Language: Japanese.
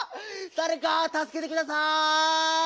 だれかたすけてください！